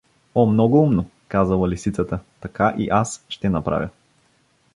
— О, много умно — казала Лисицата. — Така и аз ще направя.